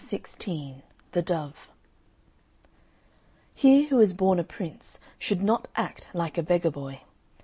XVI THE DOVE He who is born a prince should not act like a beggar boy.